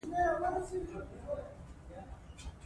په افغانستان کې د آمو سیند تاریخ ډېر اوږد دی.